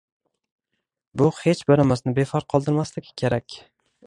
Bu hech birimizni befarq qoldirmasligi kerak.